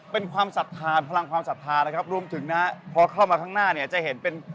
เป็นความศรัทธาพลังความศรัทธานะครับรวมถึงนะฮะพอเข้ามาข้างหน้าเนี่ยจะเห็นเป็น